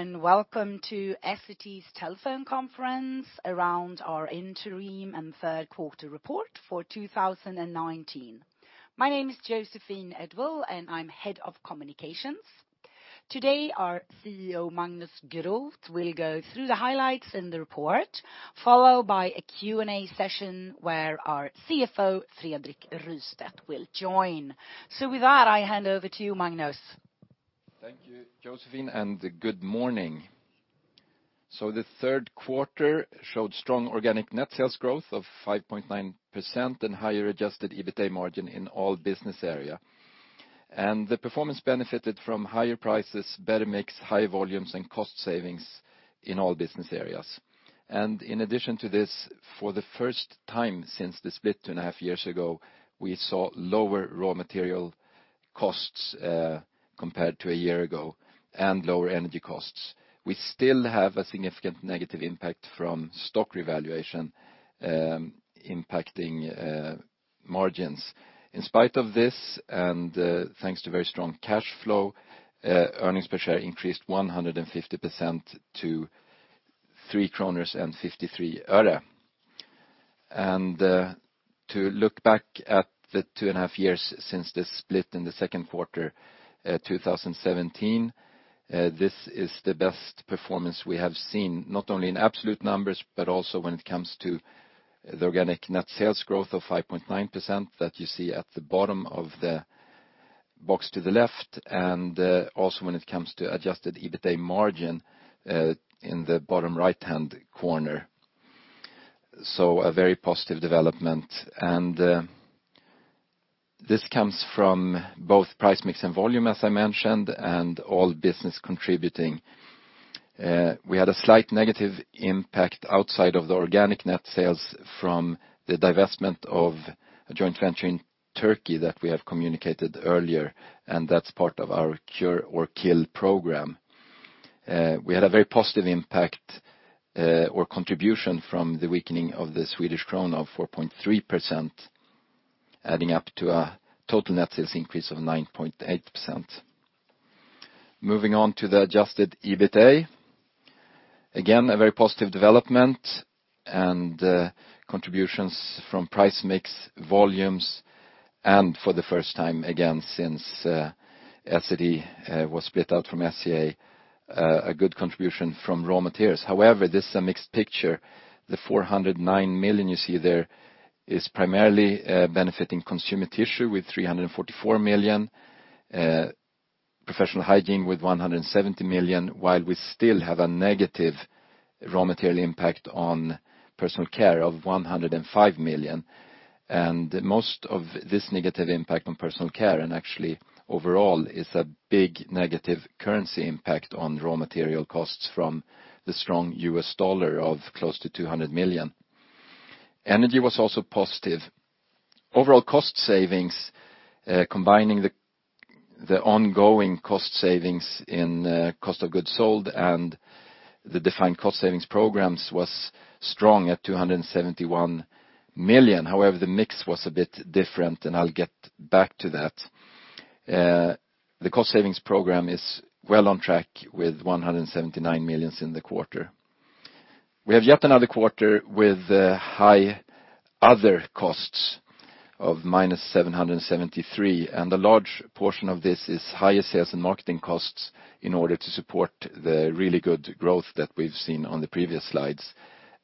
Hello, welcome to Essity's telephone conference around our interim and third quarter report for 2019. My name is Joséphine Edwall, I'm head of communications. Today, our CEO, Magnus Groth, will go through the highlights in the report, followed by a Q&A session where our CFO, Fredrik Rystedt, will join. With that, I hand over to you, Magnus. Thank you, Joséphine, good morning. The third quarter showed strong organic net sales growth of 5.9% and higher adjusted EBITA margin in all business area. The performance benefited from higher prices, better mix, high volumes, and cost savings in all business areas. In addition to this, for the first time since the split two and a half years ago, we saw lower raw material costs, compared to a year ago, and lower energy costs. We still have a significant negative impact from stock revaluation impacting margins. In spite of this, and thanks to very strong cash flow, earnings per share increased 150% to 3.53 kronor. To look back at the 2.5 years since this split in the second quarter 2017, this is the best performance we have seen, not only in absolute numbers, but also when it comes to the organic net sales growth of 5.9% that you see at the bottom of the box to the left, and also when it comes to adjusted EBITA margin in the bottom right-hand corner. A very positive development. This comes from both price mix and volume, as I mentioned, and all business contributing. We had a slight negative impact outside of the organic net sales from the divestment of a joint venture in Turkey that we have communicated earlier, and that's part of our Cure or Kill program. We had a very positive impact, or contribution from the weakening of the Swedish krona of 4.3%, adding up to a total net sales increase of 9.8%. Moving on to the adjusted EBITA. A very positive development, and contributions from price mix volumes, and for the first time again since Essity was split out from SCA, a good contribution from raw materials. This is a mixed picture. The 409 million you see there is primarily benefiting Consumer Tissue with 344 million, Professional Hygiene with 170 million, while we still have a negative raw material impact on Personal Care of 105 million. Most of this negative impact on Personal Care, and actually overall, is a big negative currency impact on raw material costs from the strong US dollar of close to $200 million. Energy was also positive. Overall cost savings, combining the ongoing cost savings in cost of goods sold and the defined cost savings programs, was strong at 271 million. The mix was a bit different, and I'll get back to that. The cost savings program is well on track with 179 million in the quarter. We have yet another quarter with high other costs of minus 773 million, and a large portion of this is higher sales and marketing costs in order to support the really good growth that we've seen on the previous slides.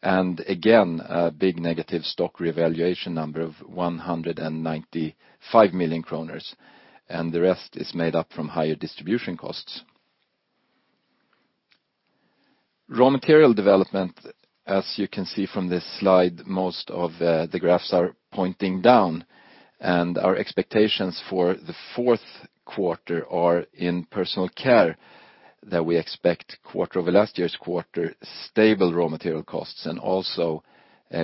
Again, a big negative stock revaluation number of 195 million kronor, and the rest is made up from higher distribution costs. Raw material development, as you can see from this slide, most of the graphs are pointing down, and our expectations for the fourth quarter are in Personal Care that we expect quarter over last year's quarter stable raw material costs, and also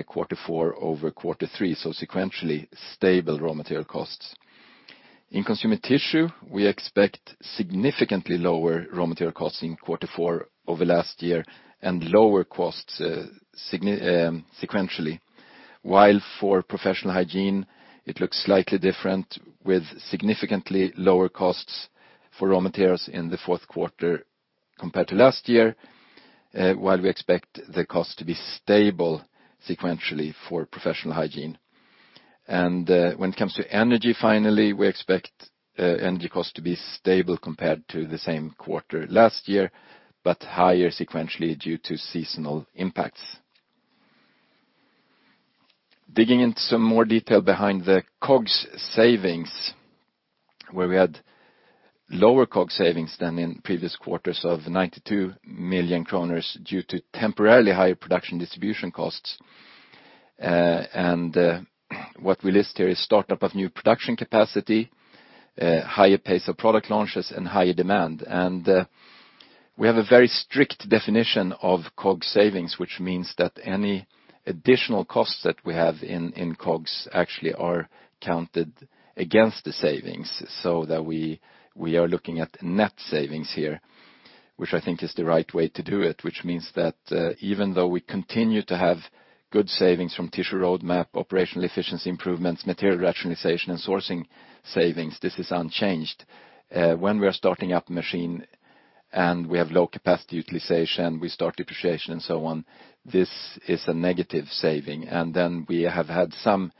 quarter four over quarter three, so sequentially stable raw material costs. In Consumer Tissue, we expect significantly lower raw material costs in quarter four over last year and lower costs sequentially. While for Professional Hygiene, it looks slightly different with significantly lower costs for raw materials in the fourth quarter compared to last year, while we expect the cost to be stable sequentially for Professional Hygiene. When it comes to energy, finally, we expect energy cost to be stable compared to the same quarter last year, but higher sequentially due to seasonal impacts. Digging into some more detail behind the COGS savings, where we had lower COGS savings than in previous quarters of 92 million kronor due to temporarily higher production distribution costs. What we list here is startup of new production capacity, higher pace of product launches, and higher demand. We have a very strict definition of COGS savings, which means that any additional costs that we have in COGS actually are counted against the savings, so that we are looking at net savings here, which I think is the right way to do it, which means that even though we continue to have good savings from Tissue Roadmap, operational efficiency improvements, material rationalization, and sourcing savings, this is unchanged. When we are starting up machine and we have low capacity utilization, we start depreciation, and so on. This is a negative saving. Then we have had some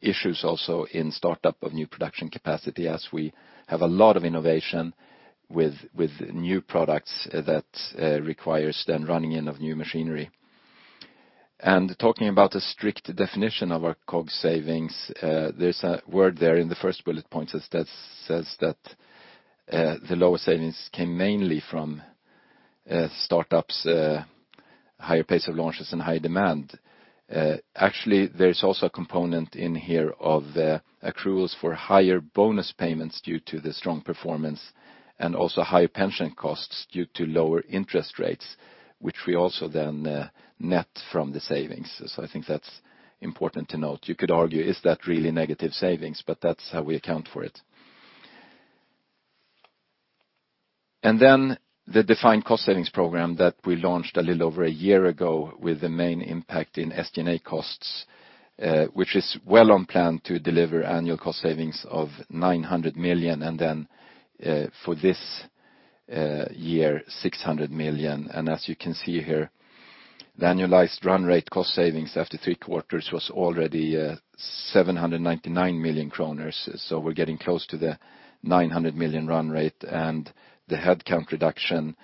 issues also in startup of new production capacity, as we have a lot of innovation with new products that requires then running in of new machinery. Talking about a strict definition of our COGS savings, there's a word there in the first bullet point that says that the lower savings came mainly from startups, higher pace of launches, and high demand. There's also a component in here of accruals for higher bonus payments due to the strong performance, and also higher pension costs due to lower interest rates, which we also then net from the savings. I think that's important to note. You could argue, is that really negative savings? That's how we account for it. The defined cost savings program that we launched a little over a year ago with the main impact in SG&A costs, which is well on plan to deliver annual cost savings of 900 million, and for this year, 600 million. As you can see here, the annualized run rate cost savings after three quarters was already 799 million kronor. We're getting close to the 900 million run rate, and the headcount reduction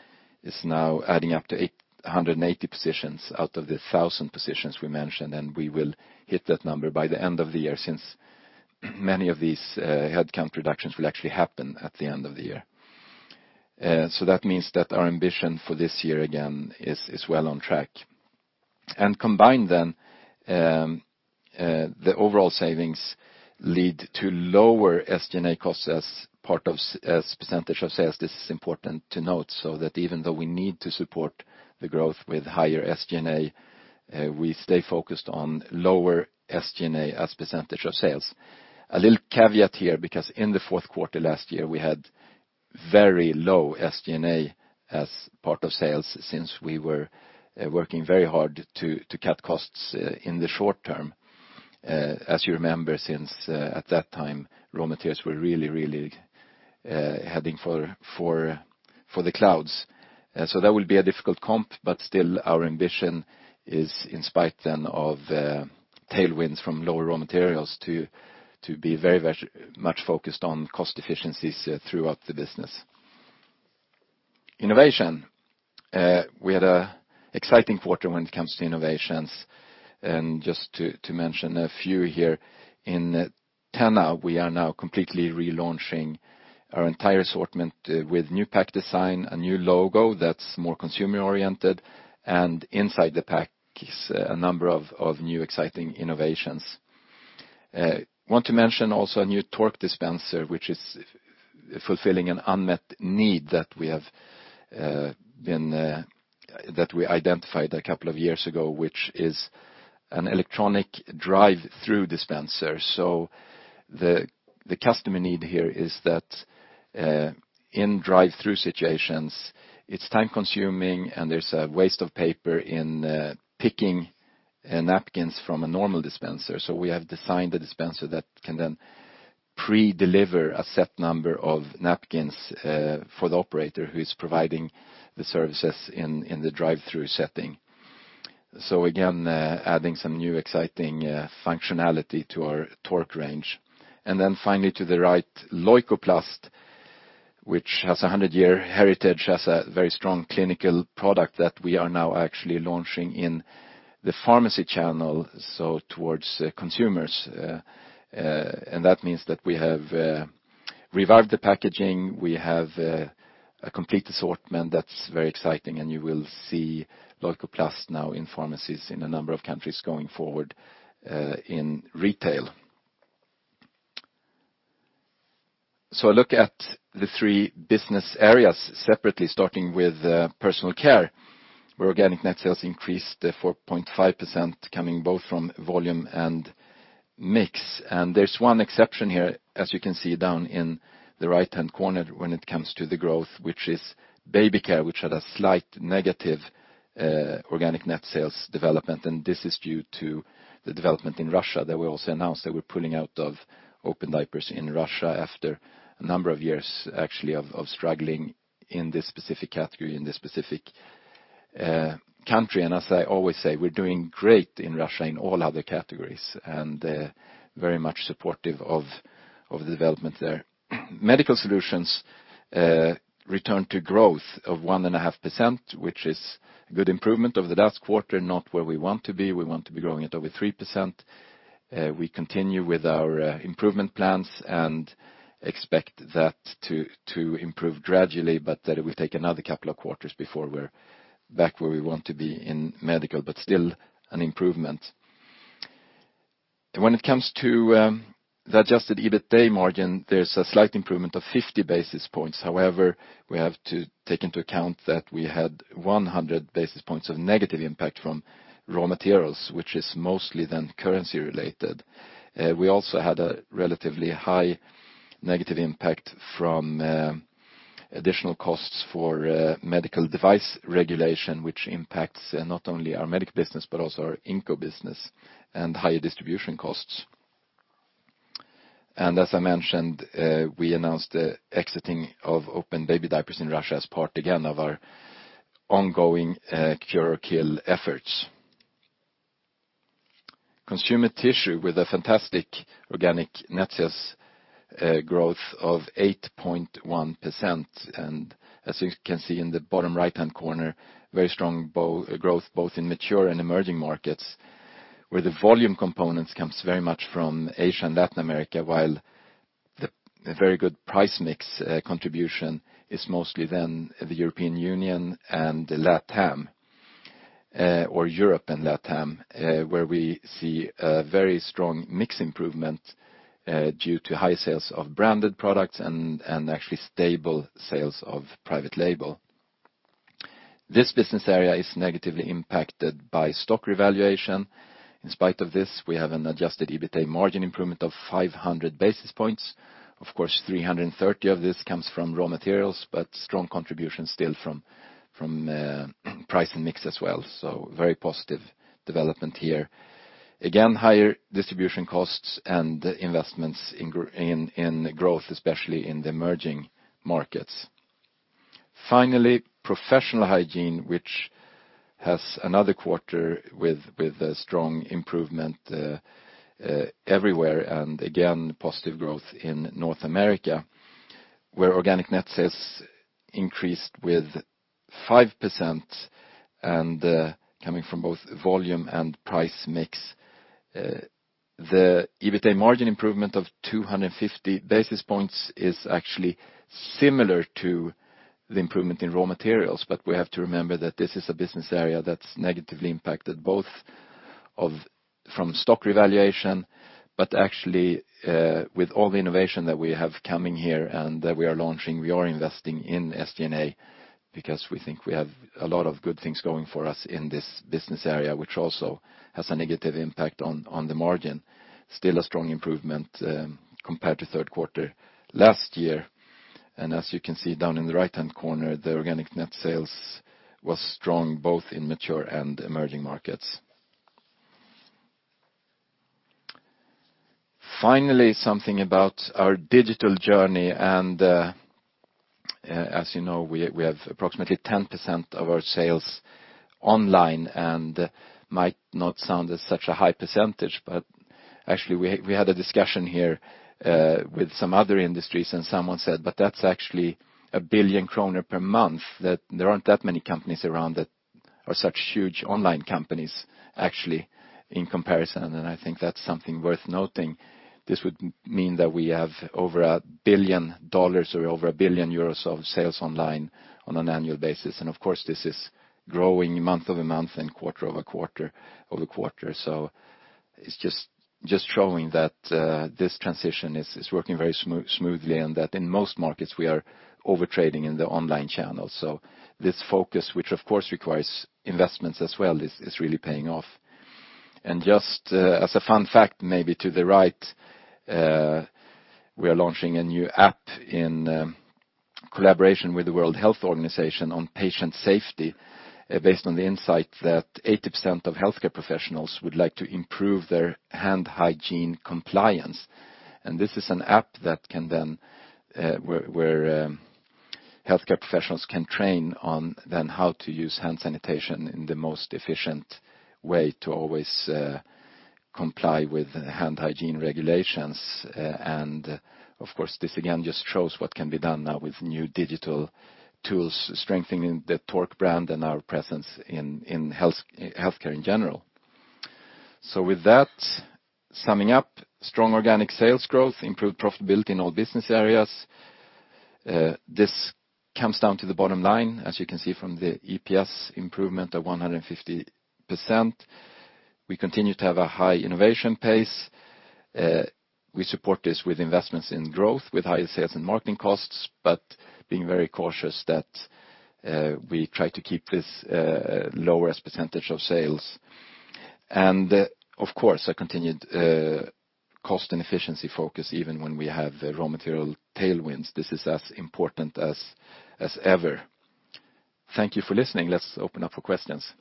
is now adding up to 880 positions out of the 1,000 positions we mentioned, and we will hit that number by the end of the year since many of these headcount reductions will actually happen at the end of the year. That means that our ambition for this year, again, is well on track. Combined, the overall savings lead to lower SG&A costs as % of sales. This is important to note, so that even though we need to support the growth with higher SG&A, we stay focused on lower SG&A as % of sales. A little caveat here, because in the fourth quarter last year, we had very low SG&A as part of sales, since we were working very hard to cut costs in the short term. As you remember since at that time, raw materials were really heading for the clouds. That will be a difficult comp, but still our ambition is in spite then of tailwinds from lower raw materials to be very much focused on cost efficiencies throughout the business. Innovation. We had an exciting quarter when it comes to innovations. Just to mention a few here. In TENA, we are now completely relaunching our entire assortment with new pack design, a new logo that's more consumer-oriented, and inside the pack is a number of new exciting innovations. I want to mention also a new Tork dispenser, which is fulfilling an unmet need that we identified a couple of years ago, which is an electronic drive-through dispenser. The customer need here is that in drive-through situations, it's time-consuming and there's a waste of paper in picking napkins from a normal dispenser. We have designed a dispenser that can then pre-deliver a set number of napkins for the operator who is providing the services in the drive-through setting, again adding some new exciting functionality to our Tork range. Finally, to the right, Leukoplast, which has 100-year heritage, has a very strong clinical product that we are now actually launching in the pharmacy channel, so towards consumers. That means that we have revived the packaging. We have a complete assortment that's very exciting, and you will see Leukoplast now in pharmacies in a number of countries going forward in retail. A look at the three business areas separately, starting with Personal Care, where organic net sales increased 4.5% coming both from volume and mix. There's one exception here, as you can see down in the right-hand corner when it comes to the growth, which is baby care, which had a slight negative organic net sales development. This is due to the development in Russia that we also announced that we're pulling out of open diapers in Russia after a number of years, actually, of struggling in this specific category in this specific country. As I always say, we're doing great in Russia in all other categories, and very much supportive of the development there. Medical Solutions return to growth of 1.5%, which is a good improvement over the last quarter, not where we want to be. We want to be growing at over 3%. We continue with our improvement plans and expect that to improve gradually, but that it will take another couple of quarters before we're back where we want to be in medical, but still an improvement. When it comes to the adjusted EBITA margin, there's a slight improvement of 50 basis points. We have to take into account that we had 100 basis points of negative impact from raw materials, which is mostly then currency-related. We also had a relatively high negative impact from additional costs for Medical Device Regulation, which impacts not only our medical business, but also our Inco business and higher distribution costs. As I mentioned, we announced the exiting of open baby diapers in Russia as part, again, of our ongoing Cure or Kill efforts. Consumer Tissue with a fantastic organic net sales growth of 8.1%. As you can see in the bottom right-hand corner, very strong growth both in mature and emerging markets, where the volume components comes very much from Asia and Latin America, while the very good price mix contribution is mostly then the European Union and LATAM, or Europe and LATAM, where we see a very strong mix improvement due to high sales of branded products and actually stable sales of private label. This business area is negatively impacted by stock revaluation. In spite of this, we have an adjusted EBITA margin improvement of 500 basis points. Of course, 330 of this comes from raw materials, but strong contribution still from price and mix as well. Very positive development here. Again, higher distribution costs and investments in growth, especially in the emerging markets. Finally, Professional Hygiene, which has another quarter with a strong improvement everywhere, again, positive growth in North America, where organic net sales increased with 5% and coming from both volume and price mix. The EBITA margin improvement of 250 basis points is actually similar to the improvement in raw materials. We have to remember that this is a business area that's negatively impacted both from stock revaluation, but actually, with all the innovation that we have coming here and that we are launching, we are investing in SG&A because we think we have a lot of good things going for us in this business area, which also has a negative impact on the margin. A strong improvement compared to third quarter last year. As you can see down in the right-hand corner, the organic net sales was strong both in mature and emerging markets. Finally, something about our digital journey. As you know, we have approximately 10% of our sales online, and might not sound as such a high percentage, but actually we had a discussion here with some other industries, and someone said, "But that's actually 1 billion kronor per month, that there aren't that many companies around that are such huge online companies, actually, in comparison." I think that's something worth noting. This would mean that we have over $1 billion or over 1 billion euros of sales online on an annual basis. Of course, this is growing month-over-month and quarter-over-quarter. It's just showing that this transition is working very smoothly, and that in most markets, we are overtrading in the online channel. This focus, which of course requires investments as well, is really paying off. Just as a fun fact maybe to the right, we are launching a new app in collaboration with the World Health Organization on patient safety, based on the insight that 80% of healthcare professionals would like to improve their hand hygiene compliance. This is an app where healthcare professionals can train on then how to use hand sanitation in the most efficient way to always comply with hand hygiene regulations. Of course, this again just shows what can be done now with new digital tools, strengthening the Tork brand and our presence in healthcare in general. With that, summing up, strong organic sales growth, improved profitability in all business areas. This comes down to the bottom line, as you can see from the EPS improvement of 150%. We continue to have a high innovation pace. We support this with investments in growth, with higher sales and marketing costs, but being very cautious that we try to keep this low as percentage of sales. Of course, a continued cost and efficiency focus even when we have raw material tailwinds. This is as important as ever. Thank you for listening. Let's open up for questions.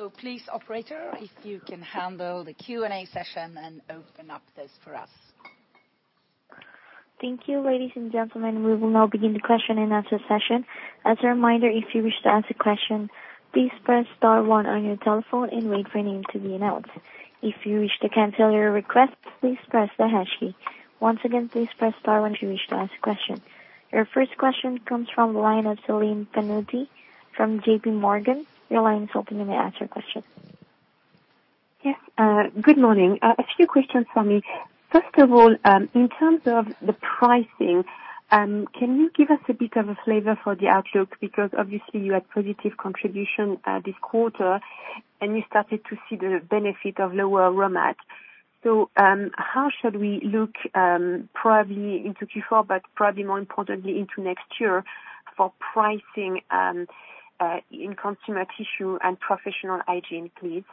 Yes. Please, operator, if you can handle the Q&A session and open up this for us. Thank you. Ladies and gentlemen, we will now begin the question and answer session. As a reminder, if you wish to ask a question, please press star one on your telephone and wait for your name to be announced. If you wish to cancel your request, please press the hash key. Once again, please press star one if you wish to ask a question. Your first question comes from the line of Celine Pannuti from J.P. Morgan. Your line is open. You may ask your question. Yes. Good morning. A few questions for me. First of all, in terms of the pricing, can you give us a bit of a flavor for the outlook? Because obviously you had positive contribution this quarter, and you started to see the benefit of lower raw mat. How should we look probably into Q4, but probably more importantly into next year for pricing in Consumer Tissue and Professional Hygiene, please?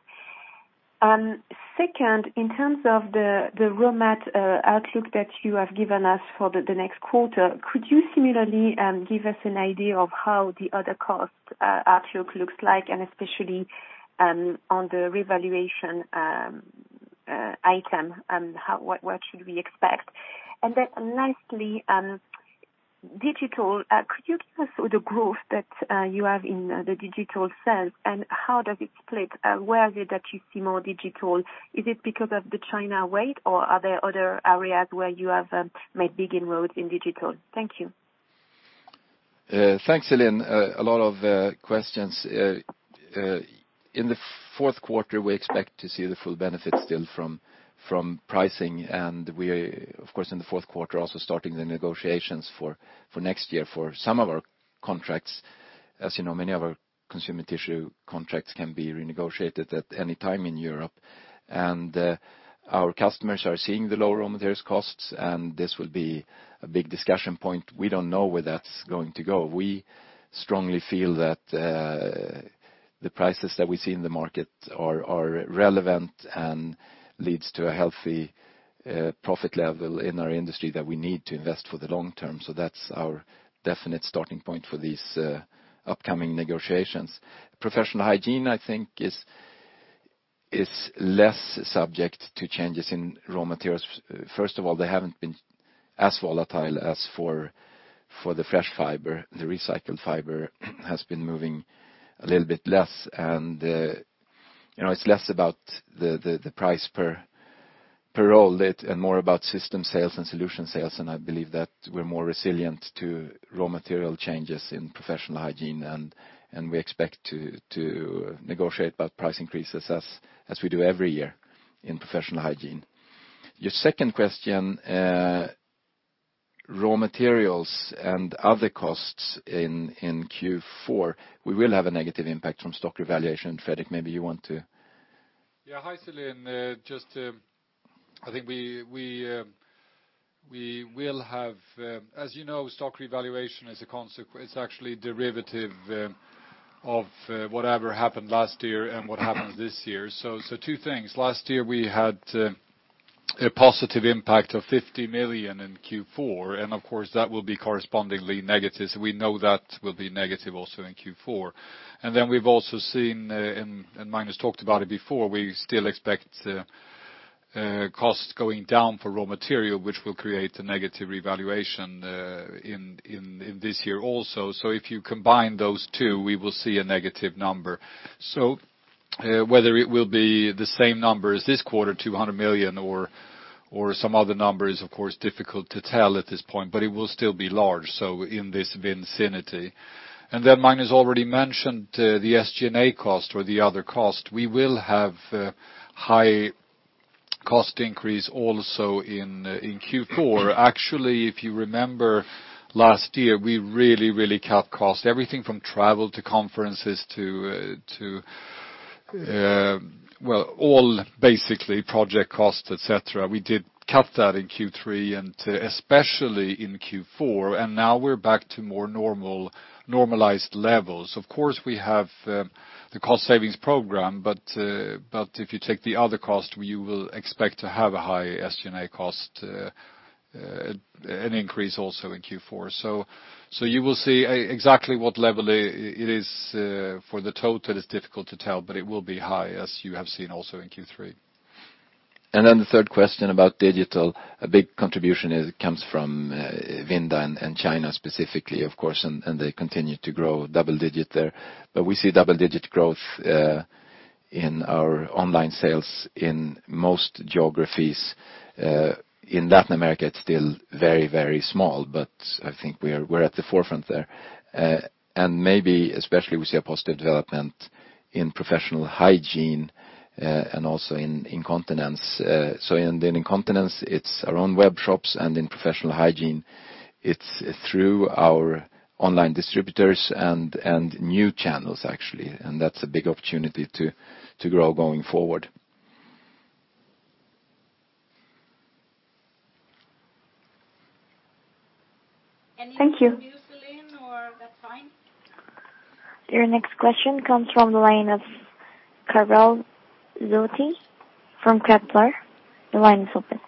Second, in terms of the raw mat outlook that you have given us for the next quarter, could you similarly give us an idea of how the other cost outlook looks like, and especially on the revaluation item, what should we expect? Lastly, digital. Could you give us the growth that you have in the digital sales, and how does it split? Where is it that you see more digital? Is it because of the China weight or are there other areas where you have made big inroads in digital? Thank you. Thanks, Celine. A lot of questions. In the fourth quarter, we expect to see the full benefit still from pricing. We, of course, in the fourth quarter, also starting the negotiations for next year for some of our contracts. As you know, many of our Consumer Tissue contracts can be renegotiated at any time in Europe. Our customers are seeing the lower raw materials costs, and this will be a big discussion point. We don't know where that's going to go. We strongly feel that the prices that we see in the market are relevant and leads to a healthy profit level in our industry that we need to invest for the long term. That's our definite starting point for these upcoming negotiations. Professional Hygiene, I think, is less subject to changes in raw materials. First of all, they haven't been as volatile as for the fresh fiber. The recycled fiber has been moving a little bit less, and it's less about the price per roll and more about system sales and solution sales. I believe that we're more resilient to raw material changes in Professional Hygiene, and we expect to negotiate about price increases as we do every year in Professional Hygiene. Your second question, raw materials and other costs in Q4, we will have a negative impact from stock revaluation. Fredrik, maybe you want to Hi, Celine. I think we will have, as you know, stock revaluation is actually derivative of whatever happened last year and what happened this year. Two things. Last year, we had a positive impact of 50 million in Q4, and of course, that will be correspondingly negative. We know that will be negative also in Q4. We've also seen, and Magnus talked about it before, we still expect costs going down for raw material, which will create a negative revaluation in this year also. If you combine those two, we will see a negative number. Whether it will be the same number as this quarter, 200 million or some other number is, of course, difficult to tell at this point, but it will still be large. In this vicinity. Magnus already mentioned the SG&A cost or the other cost. We will have high cost increase also in Q4. Actually, if you remember last year, we really cut costs. Everything from travel to conferences to, well, all basically project costs, et cetera. We did cut that in Q3 and especially in Q4. Now we're back to more normalized levels. Of course, we have the cost savings program. If you take the other cost, you will expect to have a high SG&A cost, an increase also in Q4. You will see exactly what level it is for the total is difficult to tell. It will be high, as you have seen also in Q3. The third question about digital, a big contribution comes from Vinda and China specifically, of course. They continue to grow double-digit there. We see double-digit growth in our online sales in most geographies. In Latin America, it's still very small, but I think we're at the forefront there. Maybe, especially, we see a positive development in Professional Hygiene, and also in incontinence. In the incontinence, it's our own web shops, and in Professional Hygiene, it's through our online distributors and new channels, actually. That's a big opportunity to grow going forward. Thank you. Anything new, Celine, or that's fine? Your next question comes from the line of Karel Zoete from Kepler Cheuvreux. The line is open.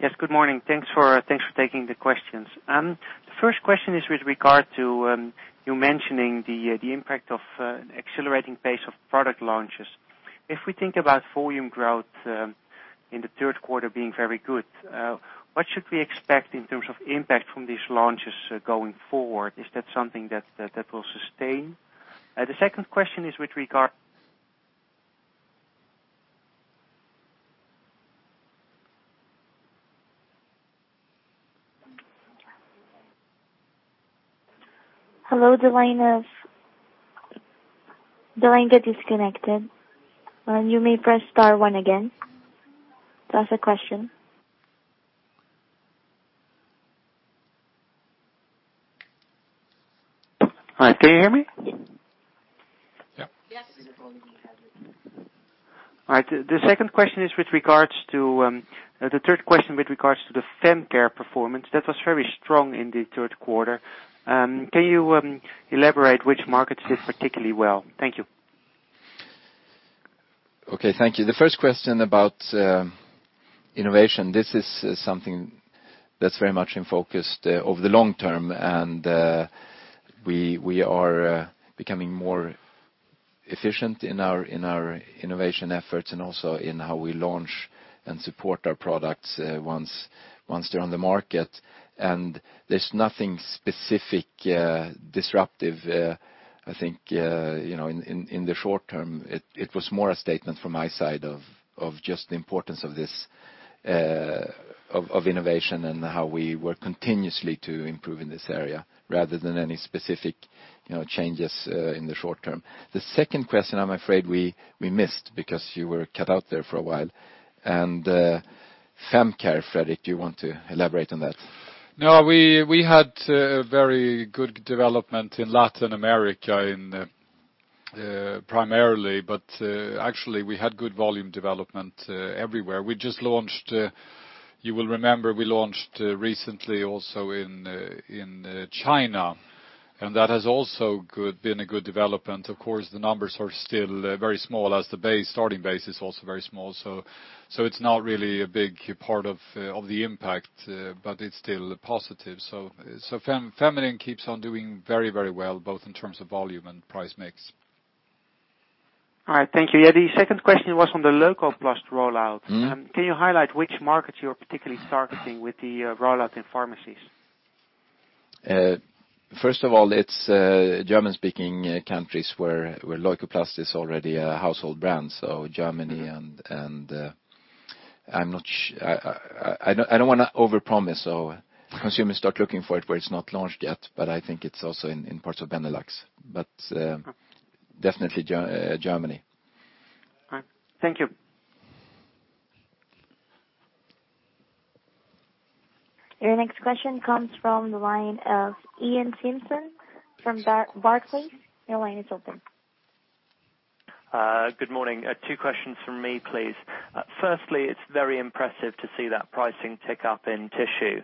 Yes, good morning. Thanks for taking the questions. The first question is with regard to you mentioning the impact of accelerating pace of product launches. If we think about volume growth in the third quarter being very good, what should we expect in terms of impact from these launches going forward? Is that something that will sustain? The second question is with regard- Hello, the line gets disconnected. You may press star one again to ask a question. Hi, can you hear me? Yeah. Yes. All right. The third question with regards to the fem care performance, that was very strong in the third quarter. Can you elaborate which markets did particularly well? Thank you. Okay, thank you. The first question about innovation, this is something that's very much in focus over the long term. We are becoming more efficient in our innovation efforts and also in how we launch and support our products once they're on the market. There's nothing specific, disruptive, I think, in the short term. It was more a statement from my side of just the importance of innovation and how we work continuously to improve in this area rather than any specific changes in the short term. The second question, I'm afraid we missed because you were cut out there for a while. Fem care, Fredrik, do you want to elaborate on that? No, we had a very good development in Latin America primarily, but actually we had good volume development everywhere. You will remember we launched recently also in China, and that has also been a good development. Of course, the numbers are still very small as the starting base is also very small. It's not really a big part of the impact, but it's still positive. Feminine keeps on doing very well, both in terms of volume and price mix. All right. Thank you. Yeah, the second question was on the Leukoplast rollout. Can you highlight which markets you are particularly targeting with the rollout in pharmacies? First of all, it's German-speaking countries where Leukoplast is already a household brand, so Germany. I don't want to overpromise, so consumers start looking for it where it's not launched yet, but I think it's also in parts of Benelux. Definitely Germany. All right. Thank you. Your next question comes from the line of Iain Simpson from Barclays. Your line is open. Good morning. Two questions from me, please. Firstly, it's very impressive to see that pricing tick up in tissue,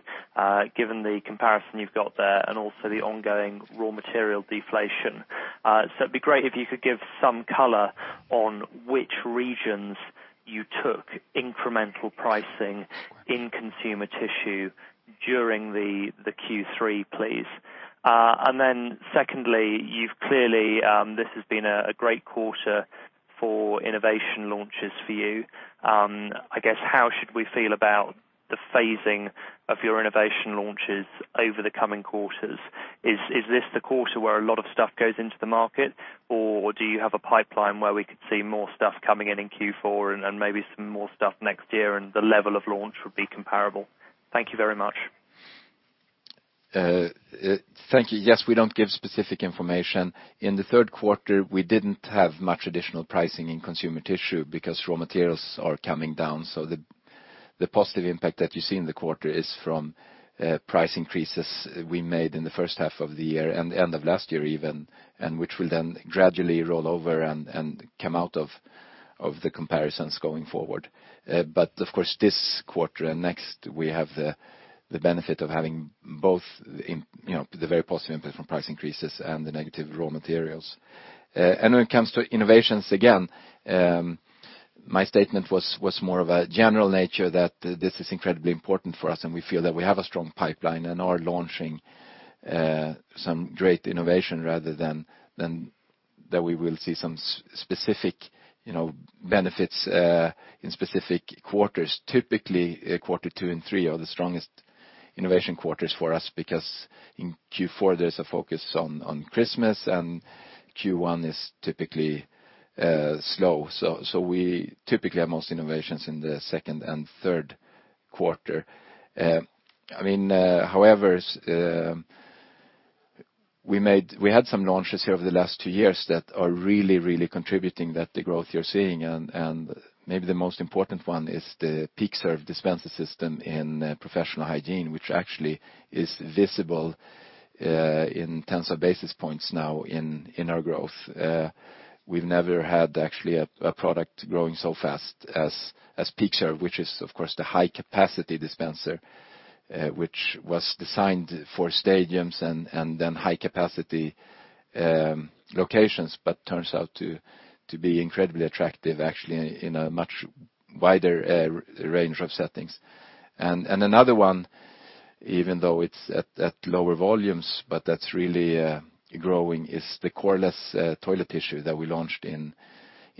given the comparison you've got there and also the ongoing raw material deflation. It'd be great if you could give some color on which regions you took incremental pricing in Consumer Tissue during the Q3, please. Secondly, clearly this has been a great quarter for innovation launches for you. I guess, how should we feel about the phasing of your innovation launches over the coming quarters? Is this the quarter where a lot of stuff goes into the market, or do you have a pipeline where we could see more stuff coming in in Q4 and then maybe some more stuff next year and the level of launch would be comparable? Thank you very much. Thank you. Yes, we don't give specific information. In the third quarter, we didn't have much additional pricing in Consumer Tissue because raw materials are coming down. The positive impact that you see in the quarter is from price increases we made in the first half of the year and the end of last year even, which will then gradually roll over and come out of the comparisons going forward. Of course, this quarter and next, we have the benefit of having both the very positive impact from price increases and the negative raw materials. When it comes to innovations, again, my statement was more of a general nature that this is incredibly important for us, and we feel that we have a strong pipeline and are launching some great innovation rather than that we will see some specific benefits in specific quarters. Typically, Q2 and Q3 are the strongest innovation quarters for us because in Q4 there's a focus on Christmas and Q1 is typically slow. We typically have most innovations in the second and third quarter. However, we had some launches here over the last two years that are really contributing that the growth you're seeing, and maybe the most important one is the PeakServe dispenser system in Professional Hygiene, which actually is visible in tens of basis points now in our growth. We've never had actually a product growing so fast as PeakServe, which is of course the high-capacity dispenser which was designed for stadiums and then high-capacity locations, but turns out to be incredibly attractive, actually, in a much wider range of settings. Another one, even though it's at lower volumes, but that's really growing, is the coreless toilet tissue that we launched in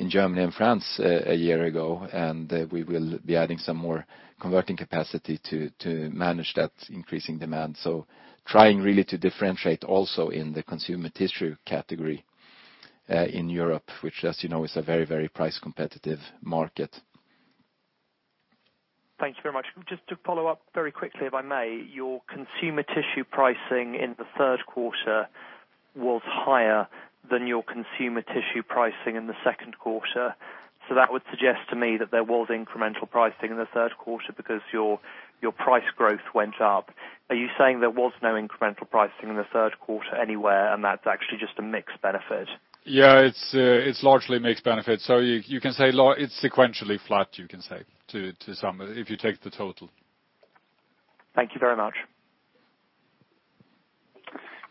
Germany and France a year ago, and we will be adding some more converting capacity to manage that increasing demand. Trying really to differentiate also in the Consumer Tissue category in Europe, which, as you know, is a very price competitive market. Thank you very much. Just to follow up very quickly, if I may. Your Consumer Tissue pricing in the third quarter was higher than your Consumer Tissue pricing in the second quarter. That would suggest to me that there was incremental pricing in the third quarter because your price growth went up. Are you saying there was no incremental pricing in the third quarter anywhere and that's actually just a mix benefit? Yeah, it's largely a mix benefit. It's sequentially flat you can say, to sum, if you take the total. Thank you very much.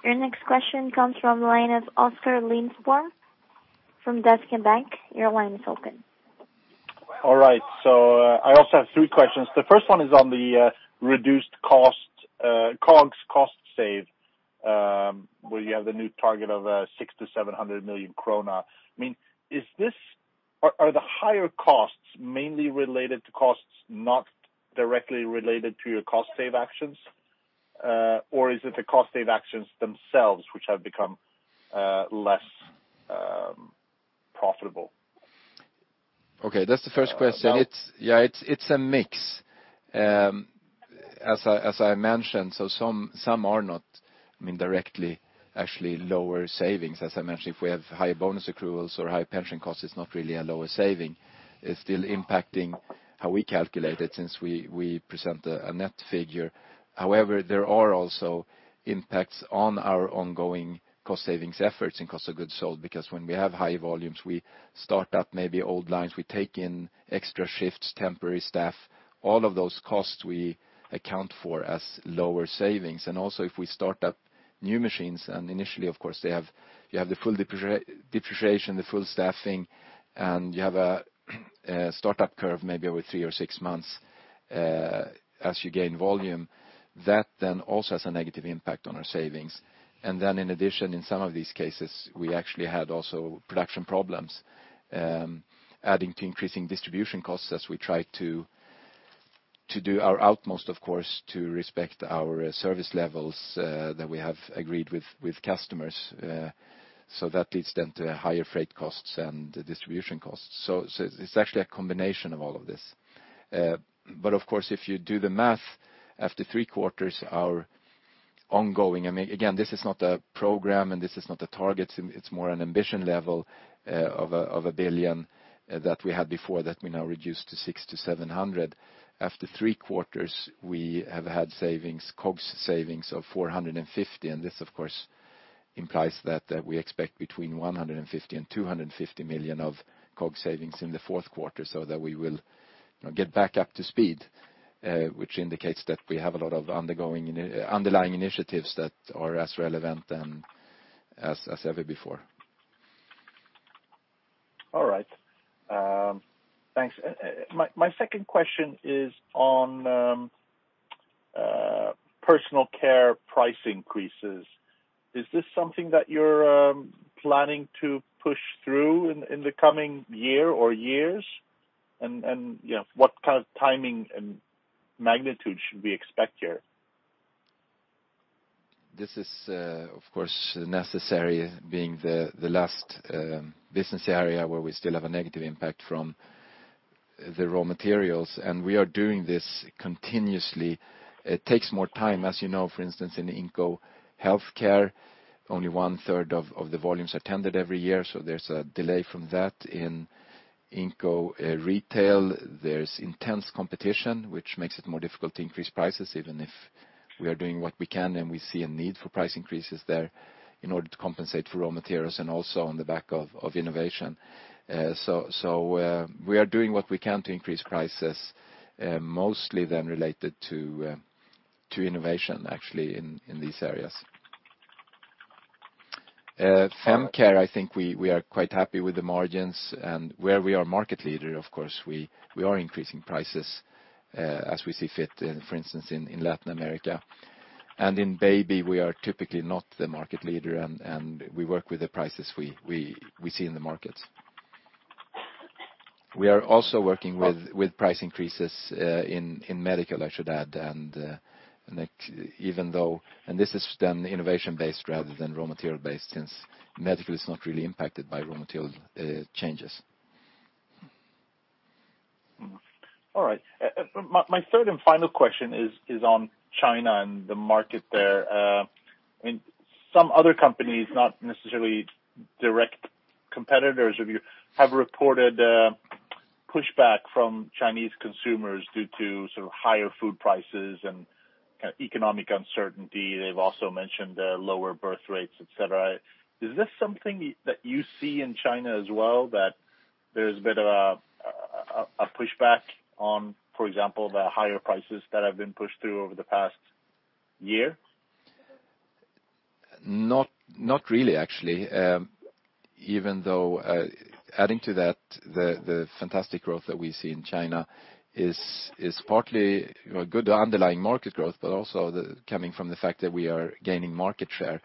Your next question comes from the line of Oskar Lindström from Danske Bank. Your line is open. All right. I also have three questions. The first one is on the reduced COGS cost save, where you have the new target of 600 million-700 million krona. Are the higher costs mainly related to costs not directly related to your cost save actions, or is it the cost save actions themselves which have become less profitable? That's the first question. It's a mix. As I mentioned, some are not directly actually lower savings. As I mentioned, if we have high bonus accruals or high pension costs, it's not really a lower saving. It's still impacting how we calculate it since we present a net figure. However, there are also impacts on our ongoing cost savings efforts in Cost of Goods Sold, because when we have high volumes, we start up maybe old lines, we take in extra shifts, temporary staff. All of those costs we account for as lower savings. Also if we start up new machines, and initially, of course, you have the full depreciation, the full staffing, and you have a startup curve, maybe over three or six months, as you gain volume. That also has a negative impact on our savings. Then in addition, in some of these cases, we actually had also production problems, adding to increasing distribution costs as we try to do our utmost, of course, to respect our service levels that we have agreed with customers. That leads then to higher freight costs and distribution costs. It's actually a combination of all of this. Of course, if you do the math, after three quarters, our ongoing, again, this is not a program and this is not a target, it's more an ambition level of 1 billion that we had before that we now reduced to 600 million-700 million. After three quarters, we have had COGS savings of 450 million, and this, of course, implies that we expect between 150 million and 250 million of COGS savings in the fourth quarter, so that we will get back up to speed, which indicates that we have a lot of underlying initiatives that are as relevant than as ever before. All right. Thanks. My second question is on Personal Care price increases. Is this something that you're planning to push through in the coming year or years? What kind of timing and magnitude should we expect here? This is, of course, necessary being the last business area where we still have a negative impact from the raw materials. We are doing this continuously. It takes more time. As you know, for instance, in Inco Healthcare, only one-third of the volumes are tended every year. There's a delay from that. In Inco Retail, there's intense competition, which makes it more difficult to increase prices, even if we are doing what we can, and we see a need for price increases there in order to compensate for raw materials and also on the back of innovation. We are doing what we can to increase prices, mostly then related to innovation, actually, in these areas. Fem Care, I think we are quite happy with the margins, and where we are market leader, of course, we are increasing prices as we see fit, for instance, in Latin America. In Baby, we are typically not the market leader, and we work with the prices we see in the markets. We are also working with price increases in Medical, I should add, and this is then innovation-based rather than raw material-based, since Medical is not really impacted by raw material changes. All right. My third and final question is on China and the market there. Some other companies, not necessarily direct competitors of you, have reported pushback from Chinese consumers due to higher food prices and economic uncertainty. They've also mentioned lower birth rates, et cetera. Is this something that you see in China as well, that there's a bit of a pushback on, for example, the higher prices that have been pushed through over the past year? Not really, actually. Adding to that, the fantastic growth that we see in China is partly good underlying market growth, but also coming from the fact that we are gaining market share.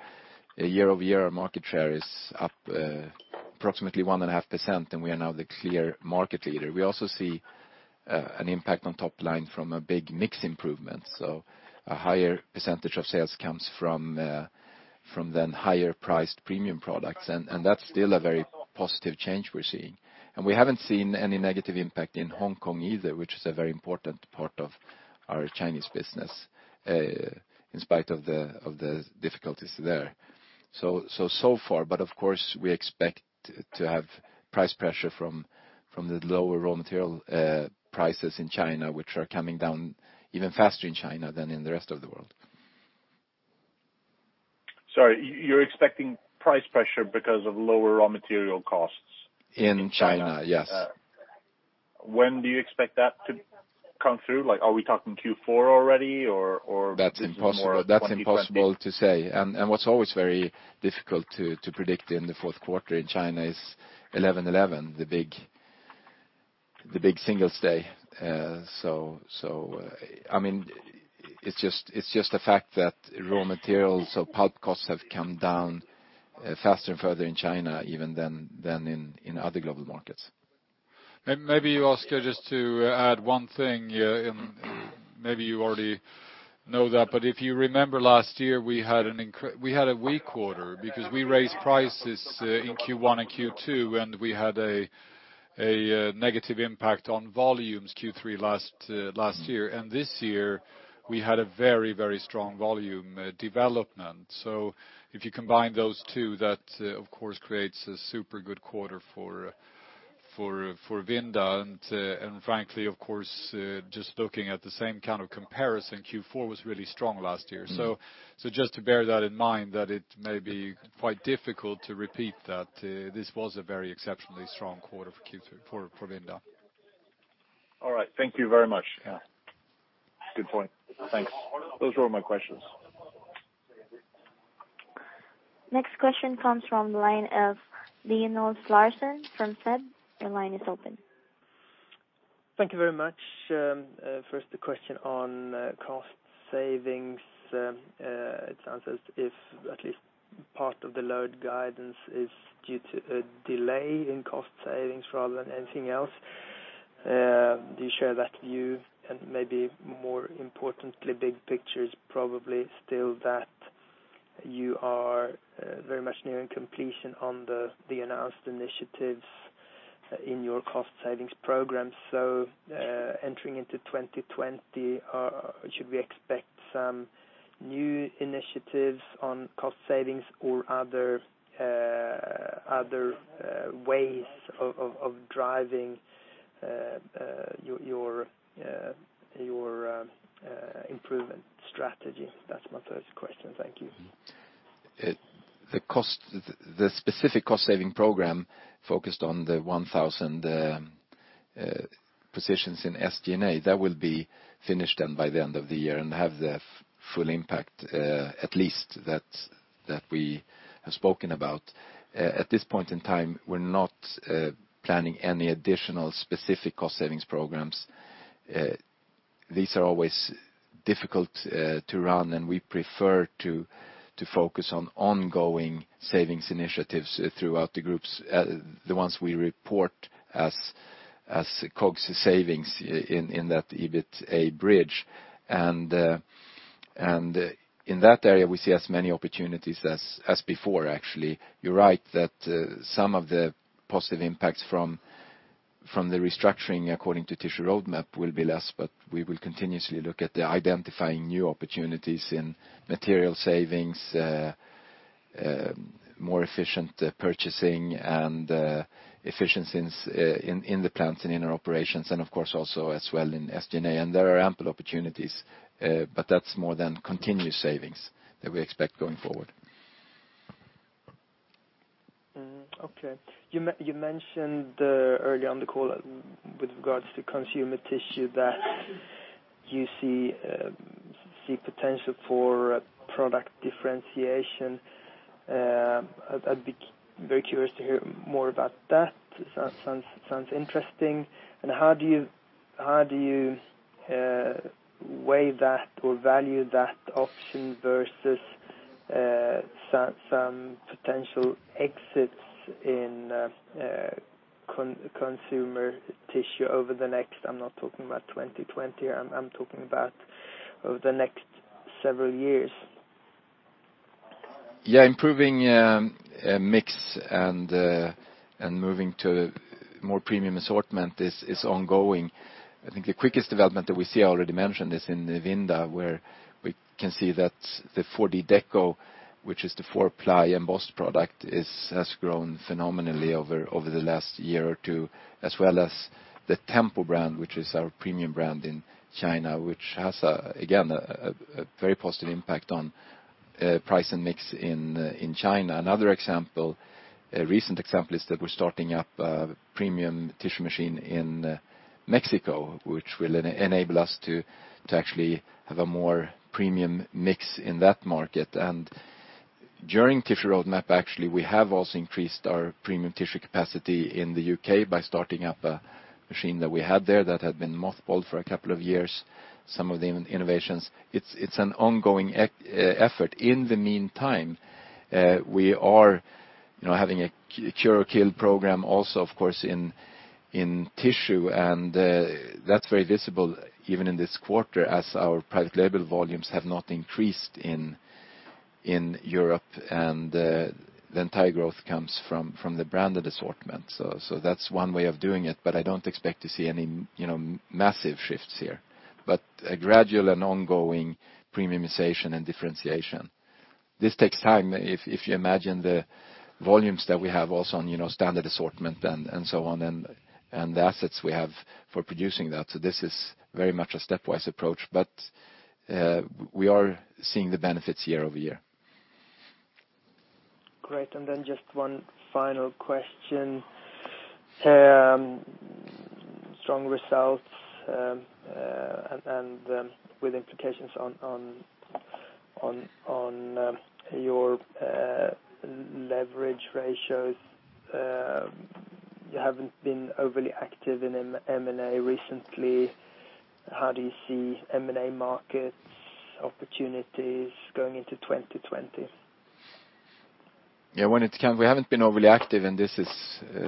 Year-over-year, our market share is up approximately 1.5%. We are now the clear market leader. We also see an impact on top line from a big mix improvement. A higher percentage of sales comes from then higher priced premium products. That's still a very positive change we're seeing. We haven't seen any negative impact in Hong Kong either, which is a very important part of our Chinese business, in spite of the difficulties there. So far, of course, we expect to have price pressure from the lower raw material prices in China, which are coming down even faster in China than in the rest of the world. Sorry, you're expecting price pressure because of lower raw material costs? In China, yes. When do you expect that to come through? Are we talking Q4 already? That's impossible to say. What's always very difficult to predict in the fourth quarter in China is 11.11, the big Singles' Day. It's just a fact that raw materials or pulp costs have come down faster and further in China, even than in other global markets. Maybe you ask, just to add one thing, maybe you already know that, if you remember last year we had a weak quarter because we raised prices in Q1 and Q2, we had a negative impact on volumes Q3 last year. This year we had a very strong volume development. If you combine those two, that of course creates a super good quarter for Vinda. Frankly, of course, just looking at the same kind of comparison, Q4 was really strong last year. Just to bear that in mind that it may be quite difficult to repeat that this was a very exceptionally strong quarter for Q3, for Vinda. All right. Thank you very much. Yeah. Good point. Thanks. Those were all my questions. Next question comes from the line of Lars-Ola Hellström from SEB. Your line is open. Thank you very much. First, the question on cost savings. It sounds as if at least part of the load guidance is due to a delay in cost savings rather than anything else. Do you share that view? Maybe more importantly, big picture is probably still that you are very much nearing completion on the announced initiatives in your cost savings program. Entering into 2020, should we expect some new initiatives on cost savings or other ways of driving your improvement strategy? That's my first question. Thank you. The specific cost-saving program focused on the 1,000 positions in SG&A, that will be finished by the end of the year and have the full impact, at least that we have spoken about. At this point in time, we're not planning any additional specific cost savings programs. These are always difficult to run. We prefer to focus on ongoing savings initiatives throughout the groups, the ones we report as COGS savings in that EBITA bridge. In that area, we see as many opportunities as before, actually. You're right that some of the positive impacts from the restructuring according to Tissue Roadmap will be less, but we will continuously look at identifying new opportunities in material savings, more efficient purchasing, and efficiencies in the plants and in our operations, and of course also as well in SG&A. There are ample opportunities. That's more than continuous savings that we expect going forward. Okay. You mentioned earlier on the call with regards to Consumer Tissue that you see potential for product differentiation. I'd be very curious to hear more about that. Sounds interesting. How do you weigh that or value that option versus some potential exits in Consumer Tissue over the next, I'm not talking about 2020, I'm talking about over the next several years? Yeah. Improving mix and moving to more premium assortment is ongoing. I think the quickest development that we see, I already mentioned, is in Vinda, where we can see that the 4D Deco, which is the four-ply embossed product, has grown phenomenally over the last year or two, as well as the Tempo brand, which is our premium brand in China, which has, again, a very positive impact on price and mix in China. Another recent example is that we're starting up a premium tissue machine in Mexico, which will enable us to actually have a more premium mix in that market. During Tissue Roadmap, actually, we have also increased our premium tissue capacity in the U.K. by starting up a machine that we had there that had been mothballed for a couple of years. Some of the innovations. It's an ongoing effort. In the meantime, we are having a Cure or Kill program also, of course, in tissue. That is very visible even in this quarter as our private label volumes have not increased in Europe, and the entire growth comes from the branded assortment. That is one way of doing it, but I do not expect to see any massive shifts here. A gradual and ongoing premiumization and differentiation, this takes time, if you imagine the volumes that we have also on standard assortment and so on, and the assets we have for producing that. This is very much a stepwise approach. We are seeing the benefits year-over-year. Great. Just one final question. Strong results and with implications on your leverage ratios. You haven't been overly active in M&A recently. How do you see M&A markets, opportunities going into 2020? Yeah, when it can. We haven't been overly active. This is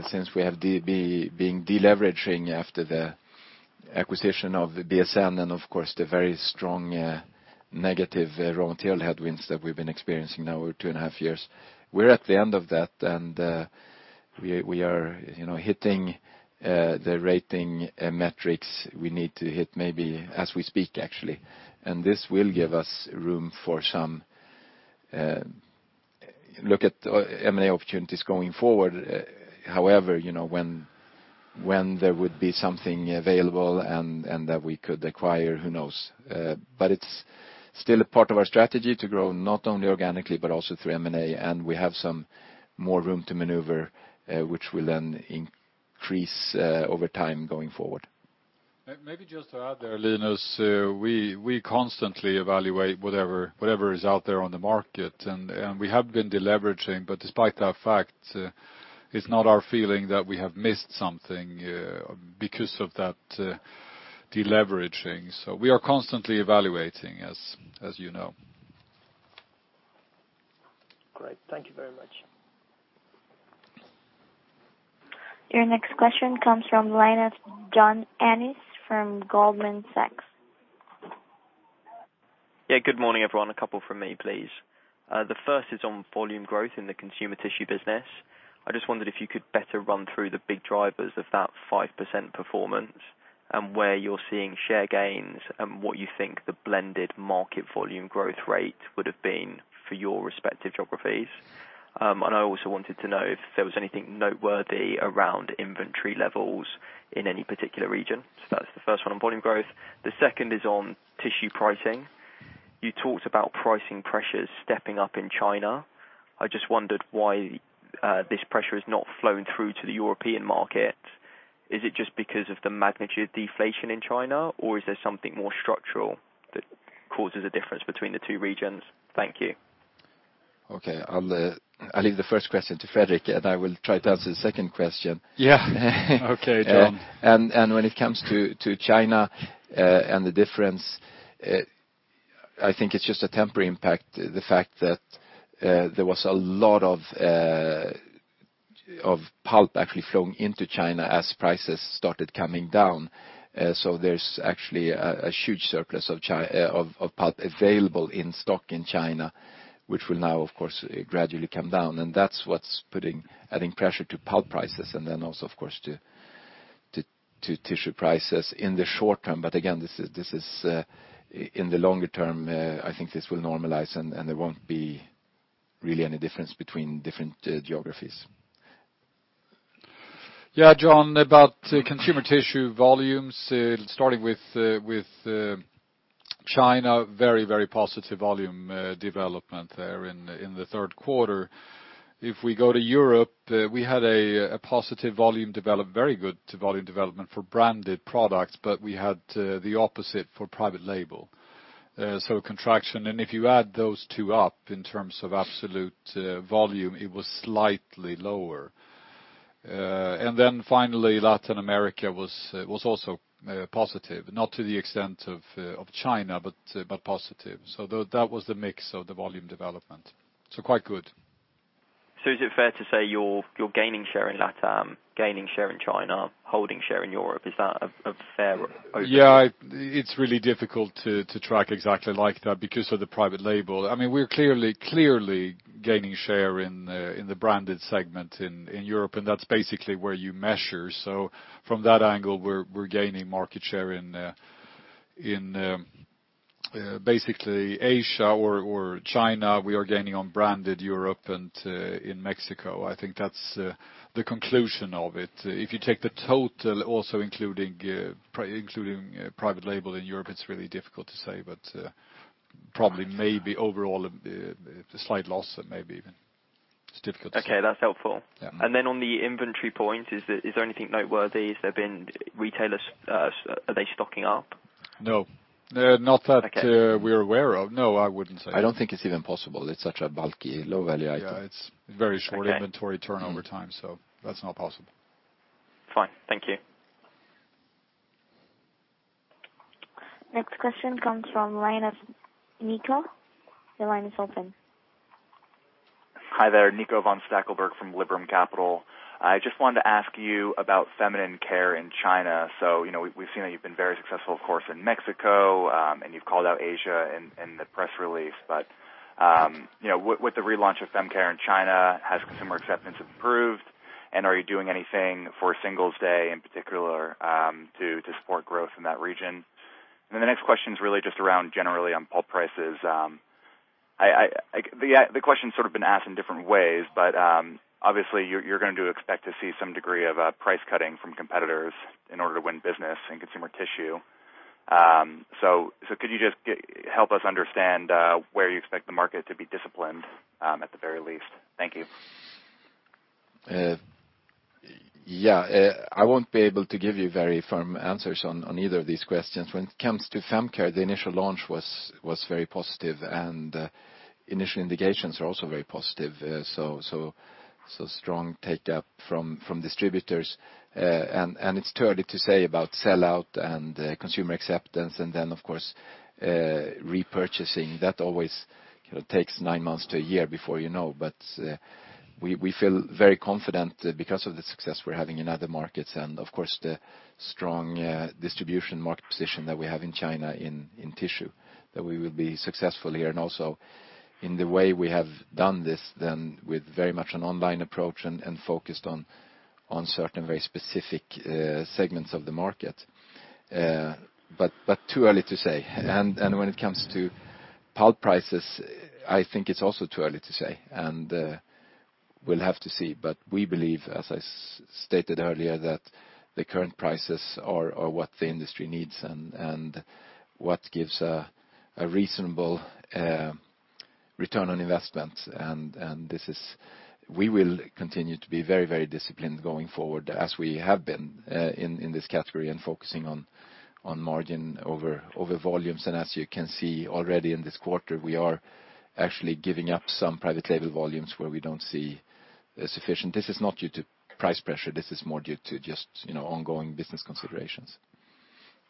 since we have been deleveraging after the acquisition of BSN and, of course, the very strong negative raw material headwinds that we've been experiencing now over two and a half years. We're at the end of that. We are hitting the rating metrics we need to hit, maybe as we speak, actually. This will give us room to look at M&A opportunities going forward. However, when there would be something available and that we could acquire, who knows? It's still a part of our strategy to grow, not only organically, but also through M&A. We have some more room to maneuver, which will then increase over time going forward. Maybe just to add there, Linus, we constantly evaluate whatever is out there on the market, and we have been deleveraging, but despite that fact, it's not our feeling that we have missed something because of that deleveraging. We are constantly evaluating, as you know. Great. Thank you very much. Your next question comes from line of John Ennis from Goldman Sachs. Yeah, good morning, everyone. A couple from me, please. The first is on volume growth in the Consumer Tissue business. I just wondered if you could better run through the big drivers of that 5% performance and where you're seeing share gains and what you think the blended market volume growth rate would've been for your respective geographies. I also wanted to know if there was anything noteworthy around inventory levels in any particular region. That's the first one on volume growth. The second is on tissue pricing. You talked about pricing pressures stepping up in China. I just wondered why this pressure has not flown through to the European market. Is it just because of the magnitude deflation in China, or is there something more structural that causes a difference between the two regions? Thank you. Okay. I'll leave the first question to Fredrik, and I will try to answer the second question. Yeah. Okay, John. When it comes to China and the difference, I think it's just a temporary impact, the fact that there was a lot of pulp actually flowing into China as prices started coming down. There's actually a huge surplus of pulp available in stock in China, which will now, of course, gradually come down, and that's what's adding pressure to pulp prices, and then also, of course, to tissue prices in the short term. Again, in the longer term, I think this will normalize, and there won't be really any difference between different geographies. John, about Consumer Tissue volumes, starting with China, very positive volume development there in the third quarter. If we go to Europe, we had a positive volume develop, very good volume development for branded products, but we had the opposite for private label. A contraction. If you add those two up in terms of absolute volume, it was slightly lower. Finally, Latin America was also positive. Not to the extent of China, but positive. That was the mix of the volume development. Quite good. Is it fair to say you're gaining share in LATAM, gaining share in China, holding share in Europe? Is that a fair overview? Yeah. It's really difficult to track exactly like that because of the private label. We're clearly gaining share in the branded segment in Europe. That's basically where you measure. From that angle, we're gaining market share in basically Asia or China. We are gaining on branded Europe and in Mexico. I think that's the conclusion of it. If you take the total, also including private label in Europe, it's really difficult to say. Probably maybe overall a slight loss maybe even. It's difficult to say. Okay, that's helpful. Yeah. On the inventory point, is there anything noteworthy? Has there been retailers? Are they stocking up? No. Not that. Okay we're aware of. No, I wouldn't say that. I don't think it's even possible. It's such a bulky, low-value item. Yeah. It's very short- Okay inventory turnover time, so that's not possible. Fine. Thank you. Next question comes from line of Nico. Your line is open. Hi there, Nicolas von Stackelberg from Liberum Capital. I just wanted to ask you about feminine care in China. We've seen that you've been very successful, of course, in Mexico, and you've called out Asia in the press release. With the relaunch of fem care in China, has consumer acceptance improved, and are you doing anything for Singles' Day, in particular, to support growth in that region? The next question's really just around generally on pulp prices. The question's sort of been asked in different ways, obviously, you're going to expect to see some degree of price cutting from competitors in order to win business in Consumer Tissue. Could you just help us understand where you expect the market to be disciplined at the very least? Thank you. I won't be able to give you very firm answers on either of these questions. When it comes to Femcare, the initial launch was very positive, and initial indications are also very positive. Strong take-up from distributors. It's too early to say about sell-out and consumer acceptance and then, of course, repurchasing. That always takes nine months to one year before you know, but we feel very confident because of the success we're having in other markets and, of course, the strong distribution market position that we have in China in tissue, that we will be successful here. Also in the way we have done this, then, with very much an online approach and focused on certain very specific segments of the market. Too early to say. When it comes to pulp prices, I think it's also too early to say. We'll have to see, but we believe, as I stated earlier, that the current prices are what the industry needs and what gives a reasonable return on investment. We will continue to be very disciplined going forward, as we have been in this category, and focusing on margin over volumes. As you can see already in this quarter, we are actually giving up some private label volumes where we don't see sufficient. This is not due to price pressure, this is more due to just ongoing business considerations.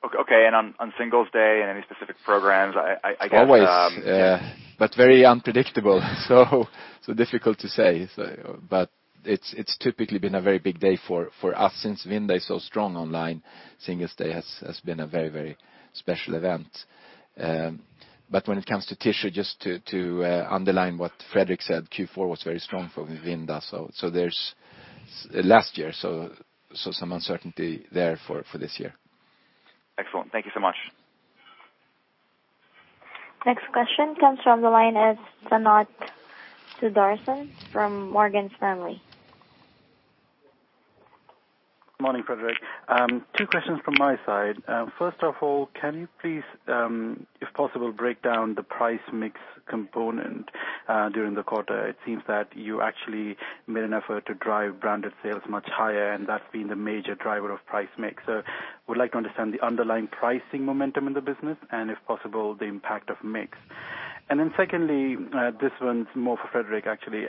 Okay. On Singles' Day and any specific programs, I guess. Always, very unpredictable, so difficult to say. It's typically been a very big day for us since Vinda is so strong online, Singles' Day has been a very special event. When it comes to tissue, just to underline what Fredrik said, Q4 was very strong for Vinda. Last year, some uncertainty there for this year. Excellent. Thank you so much. Next question comes from the line of Sanath Sudarsan from Morgan Stanley. Morning, Fredrik. First of all, can you please, if possible, break down the price mix component during the quarter? It seems that you actually made an effort to drive branded sales much higher, and that's been the major driver of price mix. Would like to understand the underlying pricing momentum in the business, and if possible, the impact of mix. Secondly, this one's more for Fredrik, actually.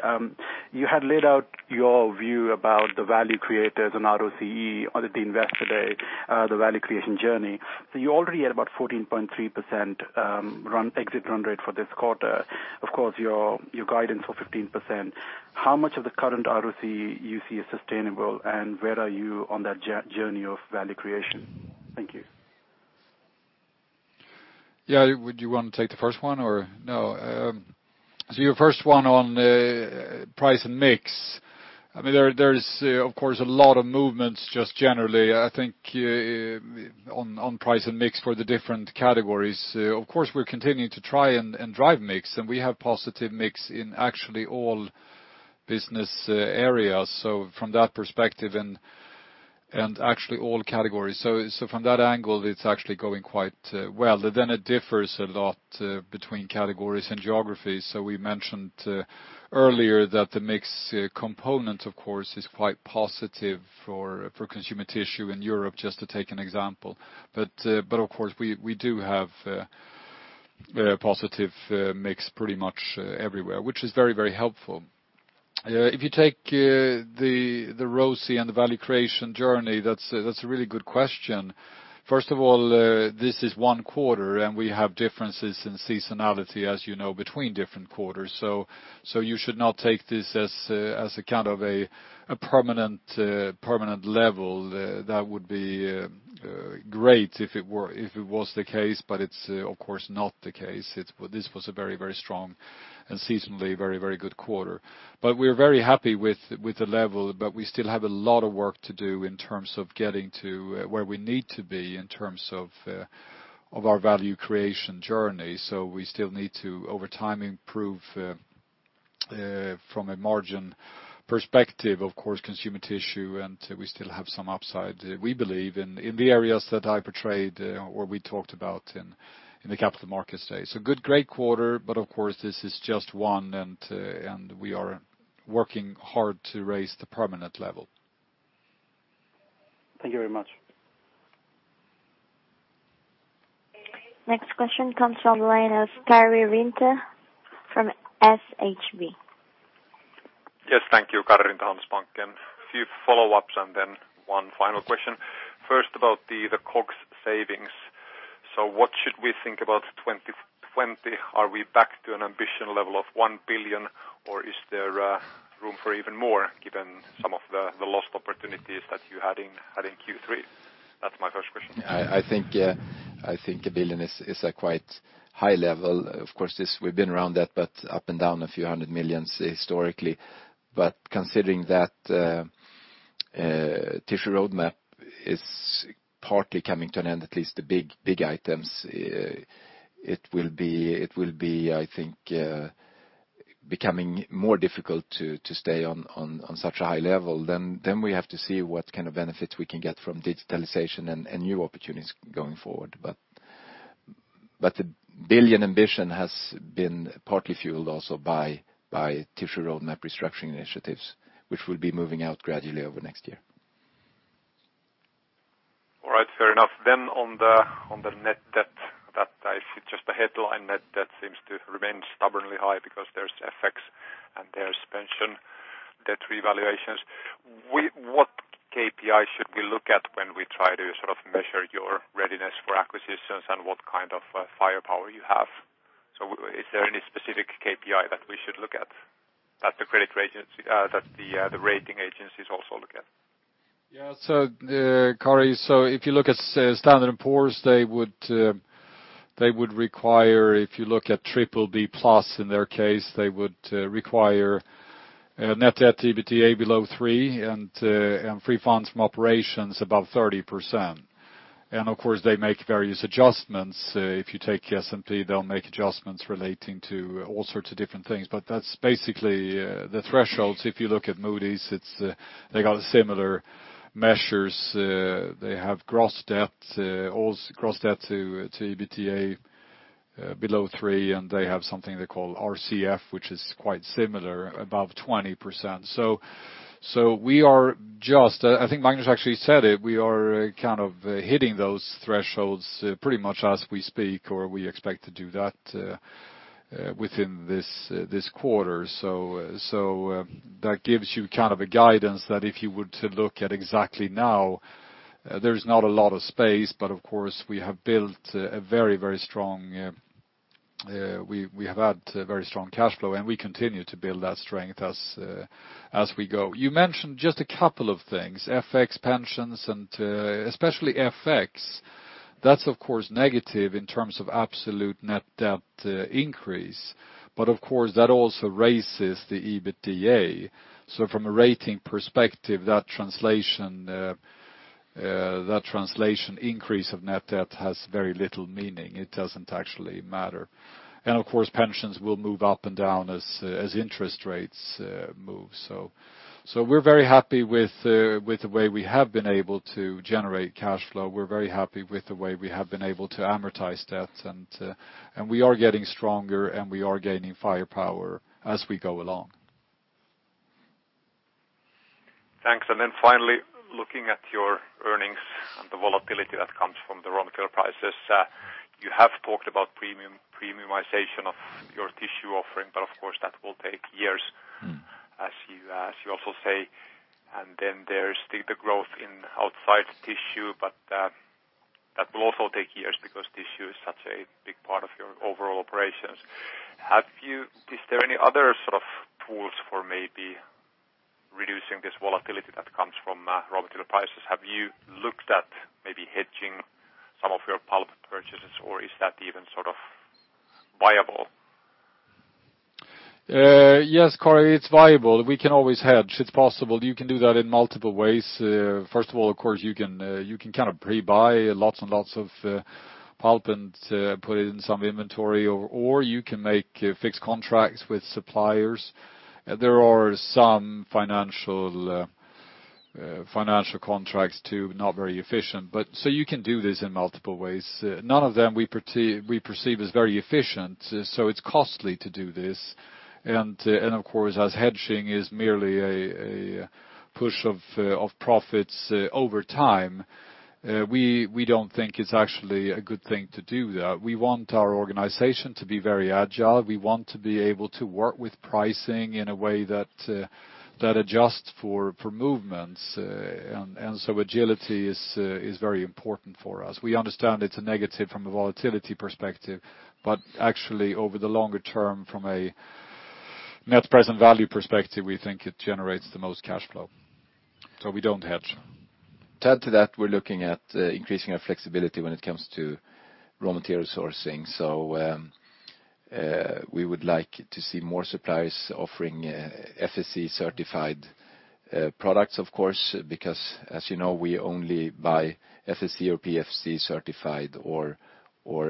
You had laid out your view about the value creators and ROCE on the Investor Day, the value creation journey. You're already at about 14.3% exit run rate for this quarter. Of course, your guidance for 15%. How much of the current ROCE you see as sustainable, and where are you on that journey of value creation? Thank you. Yeah. Do you want to take the first one or no? Your first one on price and mix. There's, of course, a lot of movements just generally, I think, on price and mix for the different categories. Of course, we're continuing to try and drive mix, and we have positive mix in actually all business areas. From that perspective and actually all categories. From that angle, it's actually going quite well. It differs a lot between categories and geographies. We mentioned earlier that the mix component, of course, is quite positive for Consumer Tissue in Europe, just to take an example. Of course, we do have positive mix pretty much everywhere, which is very helpful. If you take the ROCE and the value creation journey, that's a really good question. First of all, this is one quarter. We have differences in seasonality, as you know, between different quarters. You should not take this as a kind of a permanent level. That would be great if it was the case. It's of course not the case. This was a very strong and seasonally very good quarter. We're very happy with the level. We still have a lot of work to do in terms of getting to where we need to be in terms of our value creation journey. We still need to, over time, improve from a margin perspective, of course, Consumer Tissue. We still have some upside, we believe, in the areas that I portrayed or we talked about in the Capital Markets Day. Good, great quarter, but of course, this is just one, and we are working hard to raise the permanent level. Thank you very much. Next question comes from the line of Karri Rinta from Handelsbanken. Yes, thank you. Karri Rinta, Handelsbanken. A few follow-ups and then one final question. First about the COGS savings. What should we think about 2020? Are we back to an ambition level of 1 billion or is there room for even more given some of the lost opportunities that you had in Q3? That's my first question. I think 1 billion is a quite high level. Of course, we've been around that, but up and down SEK a few hundred million historically. Considering that Tissue Roadmap is partly coming to an end, at least the big items, it will be becoming more difficult to stay on such a high level. We have to see what kind of benefits we can get from digitalization and new opportunities going forward. The 1 billion ambition has been partly fueled also by Tissue Roadmap restructuring initiatives, which will be moving out gradually over next year. All right. Fair enough. On the net debt that I see, just the headline net debt seems to remain stubbornly high because there's FX and there's pension debt revaluations. What KPI should we look at when we try to measure your readiness for acquisitions and what kind of firepower you have? Is there any specific KPI that we should look at, that the rating agencies also look at? Karri, if you look at Standard & Poor's, they would require, if you look at BBB+ in their case, they would require a net debt EBITDA below 3 and free funds from operations above 30%. Of course, they make various adjustments. If you take S&P, they will make adjustments relating to all sorts of different things. That is basically the thresholds. If you look at Moody's, they got similar measures. They have gross debt to EBITDA below 3, and they have something they call RCF, which is quite similar, above 20%. I think Magnus actually said it, we are kind of hitting those thresholds pretty much as we speak, or we expect to do that within this quarter. That gives you a guidance that if you were to look at exactly now, there is not a lot of space. Of course, we have had very strong cash flow, and we continue to build that strength as we go. You mentioned just a couple of things, FX, pensions, and especially FX. That's of course negative in terms of absolute net debt increase. Of course, that also raises the EBITDA. From a rating perspective, that translation increase of net debt has very little meaning. It doesn't actually matter. Of course, pensions will move up and down as interest rates move. We're very happy with the way we have been able to generate cash flow. We're very happy with the way we have been able to amortize debt, and we are getting stronger, and we are gaining firepower as we go along. Thanks. Then finally, looking at your earnings and the volatility that comes from the raw material prices. You have talked about premiumization of your tissue offering, of course that will take years. as you also say. There's still the growth in outside tissue, but that will also take years because tissue is such a big part of your overall operations. Is there any other sort of tools for maybe reducing this volatility that comes from raw material prices? Have you looked at maybe hedging some of your pulp purchases, or is that even viable? Yes, Karri, it's viable. We can always hedge. It's possible. You can do that in multiple ways. First of all, of course, you can pre-buy lots and lots of pulp and put it in some inventory, or you can make fixed contracts with suppliers. There are some financial contracts too, not very efficient. You can do this in multiple ways. None of them we perceive as very efficient, so it's costly to do this. Of course, as hedging is merely a push of profits over time, we don't think it's actually a good thing to do that. We want our organization to be very agile. We want to be able to work with pricing in a way that adjusts for movements. Agility is very important for us. We understand it's a negative from a volatility perspective, but actually over the longer term, from a net present value perspective, we think it generates the most cash flow. We don't hedge. To add to that, we're looking at increasing our flexibility when it comes to raw material sourcing. We would like to see more suppliers offering FSC certified products, of course, because as you know, we only buy FSC or PEFC certified or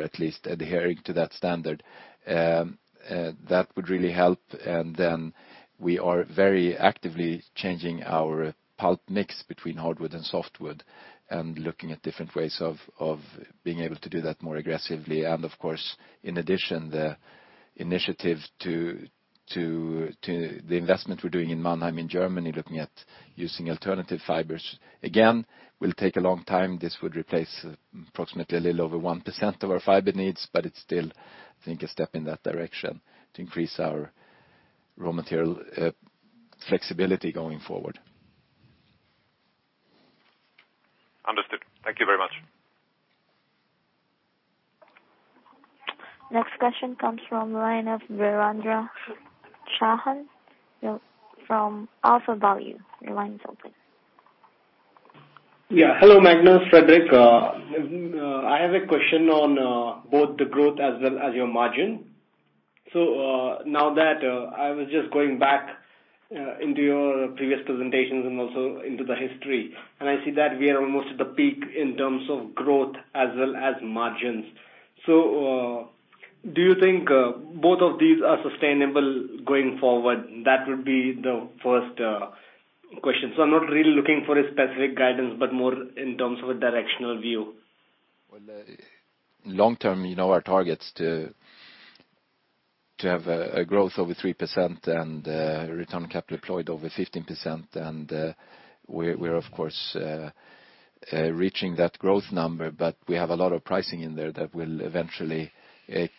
at least adhering to that standard. That would really help, and then we are very actively changing our pulp mix between hardwood and softwood, and looking at different ways of being able to do that more aggressively. Of course, in addition, the investment we're doing in Mannheim in Germany, looking at using alternative fibers, again, will take a long time. This would replace approximately a little over 1% of our fiber needs, but it's still, I think, a step in that direction to increase our raw material flexibility going forward. Understood. Thank you very much. Next question comes from the line of Viraj Shah from AlphaValue. Your line's open. Hello, Magnus, Fredrik. I have a question on both the growth as well as your margin. Now that I was just going back into your previous presentations and also into the history. I see that we are almost at the peak in terms of growth as well as margins. Do you think both of these are sustainable going forward? That would be the first question. I'm not really looking for a specific guidance, but more in terms of a directional view. Long term, you know our targets to have a growth over 3% and Return on Capital Employed over 15%. We're of course reaching that growth number, but we have a lot of pricing in there that will eventually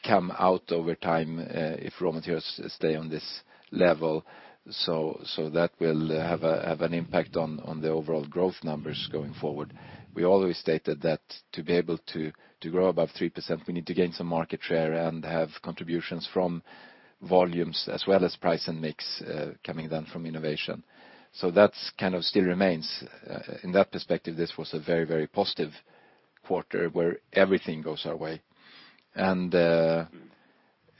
come out over time, if raw materials stay on this level. That will have an impact on the overall growth numbers going forward. We always stated that to be able to grow above 3%, we need to gain some market share and have contributions from volumes as well as price and mix coming then from innovation. That kind of still remains. In that perspective, this was a very positive quarter where everything goes our way.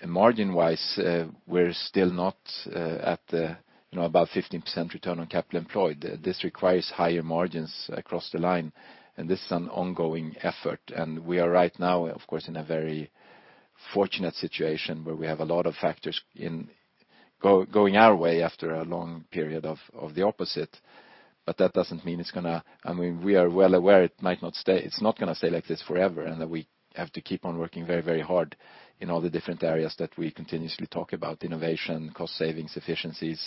Margin wise, we're still not at the above 15% Return on Capital Employed. This requires higher margins across the line. This is an ongoing effort. We are right now, of course, in a very fortunate situation where we have a lot of factors going our way after a long period of the opposite. We are well aware it's not going to stay like this forever, and that we have to keep on working very hard in all the different areas that we continuously talk about, innovation, cost savings, efficiencies,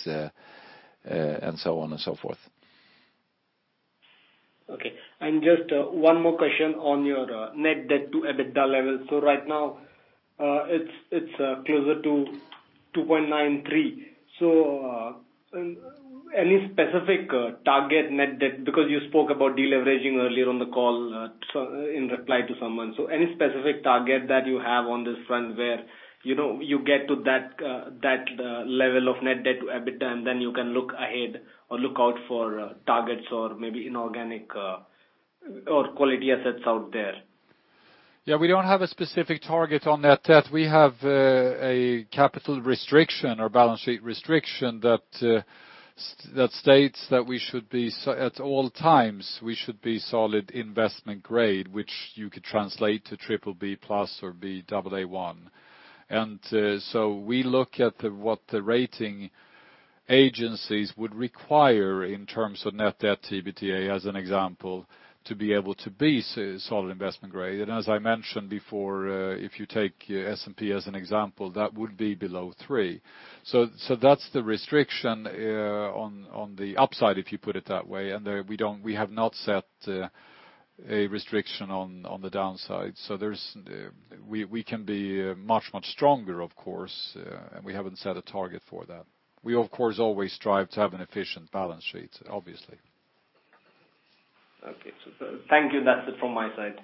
and so on and so forth. Okay. Just one more question on your net debt to EBITDA level. Right now, it's closer to 2.93. Any specific target net debt? Because you spoke about deleveraging earlier on the call in reply to someone. Any specific target that you have on this front where you get to that level of net debt to EBITDA, and then you can look ahead or look out for targets or maybe inorganic or quality assets out there? We don't have a specific target on net debt. We have a capital restriction or balance sheet restriction that states that at all times, we should be solid investment grade, which you could translate to BBB+ or Baa1. We look at what the rating agencies would require in terms of net debt to EBITDA, as an example, to be able to be solid investment grade. As I mentioned before, if you take S&P as an example, that would be below three. That's the restriction on the upside, if you put it that way, and we have not set a restriction on the downside. We can be much stronger, of course, and we haven't set a target for that. We, of course, always strive to have an efficient balance sheet, obviously. Okay. Thank you. That's it from my side.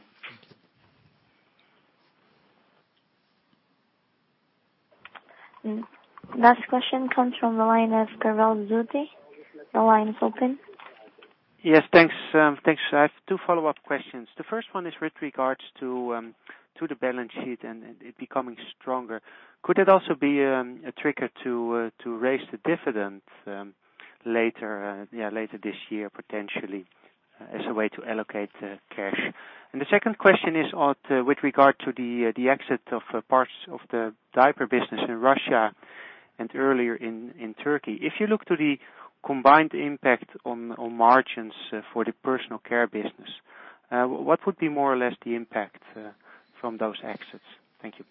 Last question comes from the line of Karel Zoete. Your line is open. Yes, thanks. I have two follow-up questions. The first one is with regards to the balance sheet and it becoming stronger. Could it also be a trigger to raise the dividend later this year, potentially, as a way to allocate the cash? The second question is with regard to the exit of parts of the diaper business in Russia and earlier in Turkey. If you look to the combined impact on margins for the Personal Care business, what would be more or less the impact from those exits? Thank you.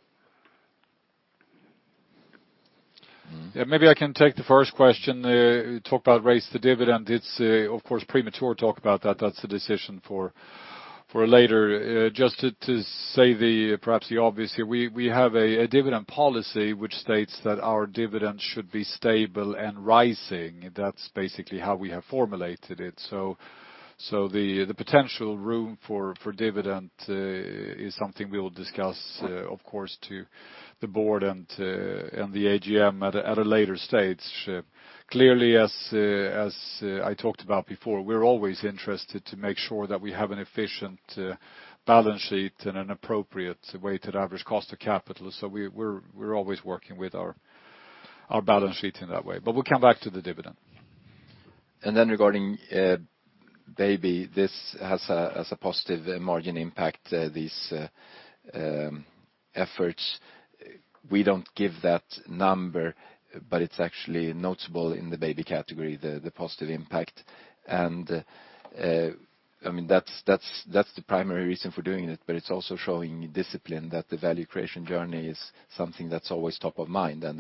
Maybe I can take the first question, talk about raise the dividend. It's, of course, premature talk about that. That's a decision for later. Just to say perhaps the obvious here, we have a dividend policy which states that our dividend should be stable and rising. That's basically how we have formulated it. The potential room for dividend is something we will discuss, of course, to the board and the AGM at a later stage. Clearly, as I talked about before, we're always interested to make sure that we have an efficient balance sheet and an appropriate weighted average cost of capital. We're always working with our balance sheet in that way. We'll come back to the dividend. Regarding Baby, this has a positive margin impact, these efforts. We don't give that number, it's actually notable in the Baby category, the positive impact. That's the primary reason for doing it's also showing discipline that the value creation journey is something that's always top of mind, that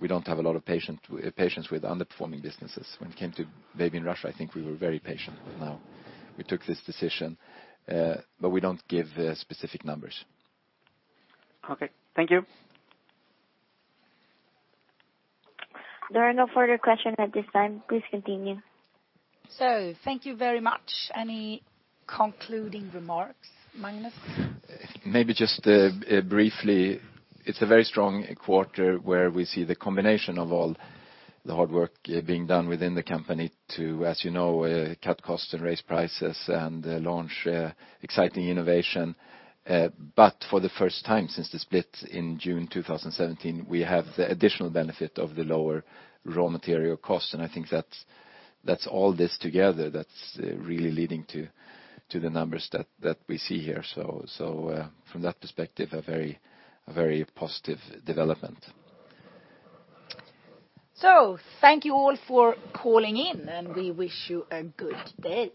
we don't have a lot of patience with underperforming businesses. When it came to Baby in Russia, I think we were very patient, now we took this decision. We don't give specific numbers. Okay. Thank you. There are no further questions at this time. Please continue. Thank you very much. Any concluding remarks, Magnus? Maybe just briefly, it is a very strong quarter where we see the combination of all the hard work being done within the company to, as you know, cut costs and raise prices and launch exciting innovation. For the first time since the split in June 2017, we have the additional benefit of the lower raw material cost, and I think that is all this together that is really leading to the numbers that we see here. From that perspective, a very positive development. Thank you all for calling in, and we wish you a good day.